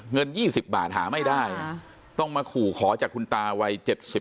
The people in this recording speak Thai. เงิน๒๐บาทหาไม่ได้ต้องมาขู่ขอจากคุณตาวัย๗๐